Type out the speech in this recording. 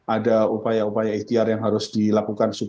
ada upaya upaya ikhtiar yang harus dilakukan